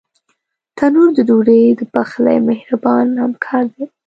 تنور د ډوډۍ د پخلي مهربان همکار دی